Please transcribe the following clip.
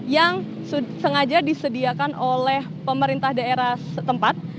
yang sengaja disediakan oleh pemerintah daerah setempat